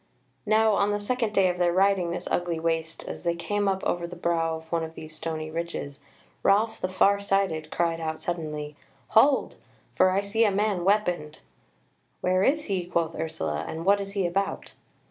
Now on the second day of their riding this ugly waste, as they came up over the brow of one of these stony ridges, Ralph the far sighted cried out suddenly: "Hold! for I see a man weaponed." "Where is he?" quoth Ursula, "and what is he about?"